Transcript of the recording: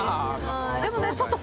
でもねちょっと。